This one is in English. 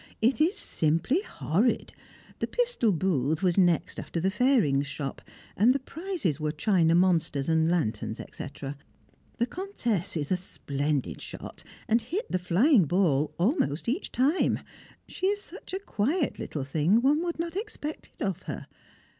it is simply horrid. The pistol booth was next after the "farings" shop, and the prizes were china monsters and lanterns, &c. The Comtesse is a splendid shot, and hit the flying ball almost each time; she is such a quiet little thing, one would not expect it of her.